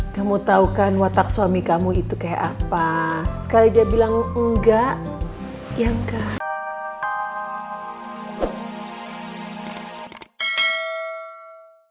kamu tahu kan watak suami kamu itu kayak apa sekali dia bilang enggak yang khas